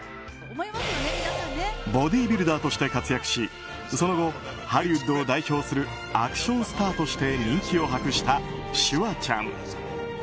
ボディービルダーとして活躍しその後、ハリウッドを代表するアクションスターとして人気を博したシュワちゃん。